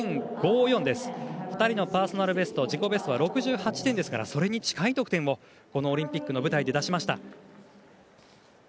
２人のパーソナルベスト自己ベストは６８点ですからそれに近い得点をオリンピックの舞台で出しました。